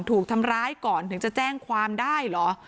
ถูกทำร้ายก่อนถึงจะแจ้งความได้เหรอ